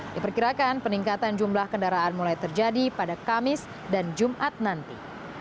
diperkirakan peningkatan jumlah kendaraan mulai terjadi pada kamis dan jumat nanti